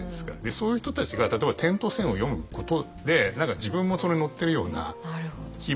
そういう人たちが例えば「点と線」を読むことで何か自分もそれ乗ってるような気分になれる。